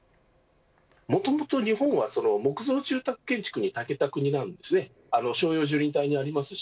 もともと日本は木造住宅建築に長けた国なんです。